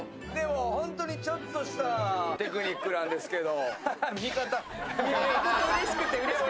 本当にちょっとしたテクニックなんですけど。